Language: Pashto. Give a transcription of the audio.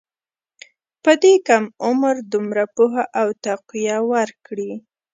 په دې کم عمر دومره پوهه او تقوی ورکړې.